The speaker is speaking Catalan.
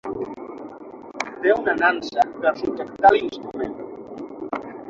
Té una nansa per subjectar l'instrument.